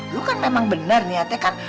lu kan memang benar niatnya kan